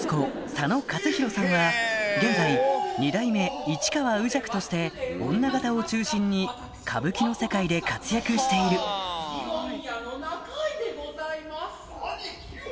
佐野勝洋さんは現在２代目市川右若として女形を中心に歌舞伎の世界で活躍している仲居でございます。